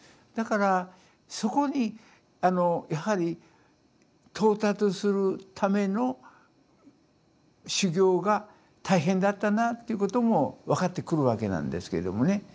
だからそこにやはり到達するための修行が大変だったなぁっていうことも分かってくるわけなんですけどもね。